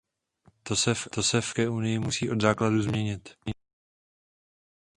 To se v Evropské unii musí od základu změnit.